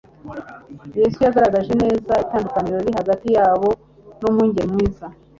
Yesu yagaragaje neza itandukaniro riri hagati yabo n'Umwungeri mwiza,